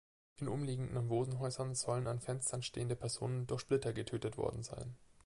In umliegenden Wohnhäusern sollen an Fenstern stehende Personen durch Splitter getötet worden sein.